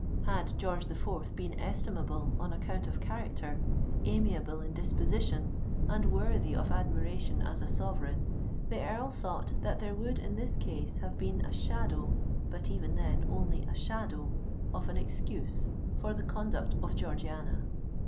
Had George the Fourth been estimable on account of character, amiable in disposition, and worthy of admiration as a sovereign, the Earl thought that there would in this case have been a shadow—but even then, only a shadow—of an excuse for the conduct of Georgiana.